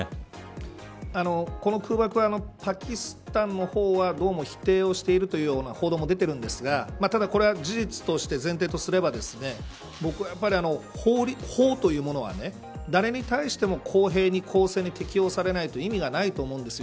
この空爆はパキスタンの方はどうも否定をしているという報道も出ているんですがただこれは事実として前提とすれば僕は、やはり法というものは誰に対しても公平に公正に適用されないと意味がないと思うんです。